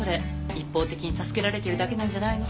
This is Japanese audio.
一方的に助けられてるだけなんじゃないのか？